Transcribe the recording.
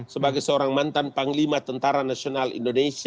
sebagai seorang mantan panglima tni